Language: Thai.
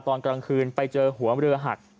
ตอนกลางคืนไปเจอหัวเรือหัก